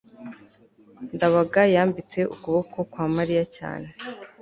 ndabaga yambitse ukuboko kwa mariya cyane